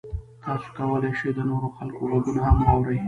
تاسو کولی شئ د نورو خلکو غږونه هم واورئ.